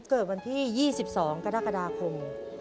เกิดวันที่๒๒กรกฎาคม